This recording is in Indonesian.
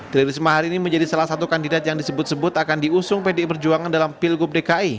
tri risma hari ini menjadi salah satu kandidat yang disebut sebut akan diusung pdi perjuangan dalam pilgub dki